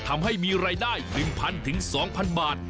ทำให้มีรายได้๑๐๐๒๐๐บาท